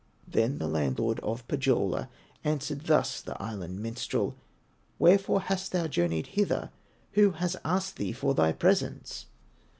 Then the landlord of Pohyola Answered thus the Island minstrel: "Wherefore hast thou journeyed hither, Who has asked thee for thy presence?"